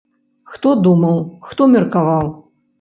Хто думаў, хто меркаваў!